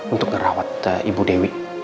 untuk ngerawat ibu dewi